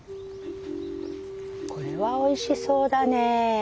これはおいしそうだねぇ。